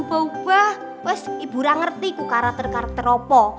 upa upa ibu ga ngerti karakter karakter opo